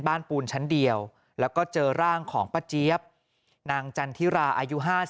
ปูนชั้นเดียวแล้วก็เจอร่างของป้าเจี๊ยบนางจันทิราอายุ๕๓